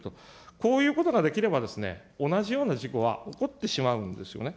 こういうことができれば同じような事故は起こってしまうんですよね。